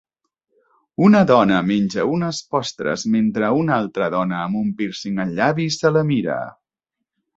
Una dona menja unes postres mentre una altra dona amb un pírcing al llavi se la mira.